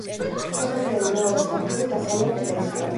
შესასვლელი მეორე სართულის დასავლეთ კედელშია.